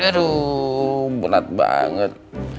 aduh berat banget